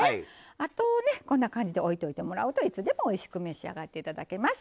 あとねこんな感じでおいといてもらうといつでもおいしく召し上がって頂けます。